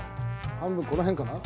半分この辺かな？